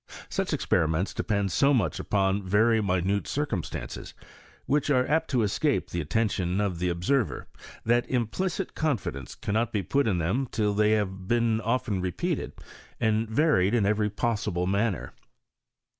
Such experiments depend so much upon very minute circumstances, which are apt to escape the attention of the observer, that implicit confidence PROGRESS OF CHEMISTRY IN FRANCE. 93 cannot be put in them till they have been often re peated, and varied in every possible manner.